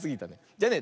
じゃあね